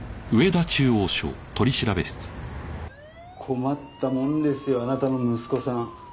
困ったもんですよあなたの息子さん。